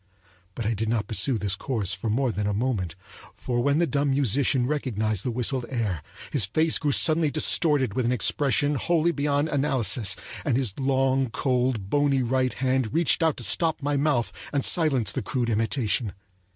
But I did not pursue this course for more than a moment; for when the dumb musician recognized the whistled air his face grew suddenly distorted with an expression wholly beyond analysis, and his long, cold, bony right hand reached out to stop my mouth and silence the crude imitation.